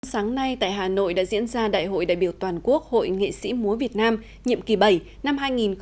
sáng nay tại hà nội đã diễn ra đại hội đại biểu toàn quốc hội nghệ sĩ múa việt nam nhiệm kỳ bảy năm hai nghìn hai mươi hai nghìn hai mươi năm